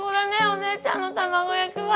お姉ちゃんの卵焼きは。